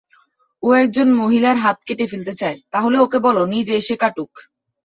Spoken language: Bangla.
ও একজন মহিলার হাত কেটে ফেলতে চায়, তাহলে ওকে বলো নিজে এসে কাটুক।